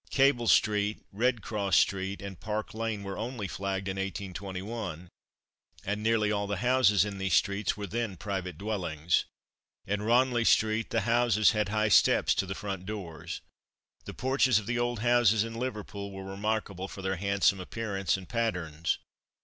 Cable street, Redcross street and Park lane were only flagged in 1821; and nearly all the houses in these streets were then private dwellings. In Ranelagh street the houses had high steps to the front doors. The porches of the old houses in Liverpool were remarkable for their handsome appearance and patterns.